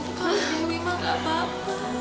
ibu emang gak apa apa